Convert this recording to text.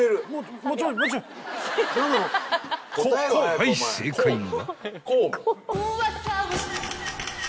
［はい正解は］